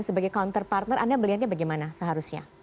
sebagai counter partner anda melihatnya bagaimana seharusnya